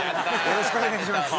よろしくお願いします。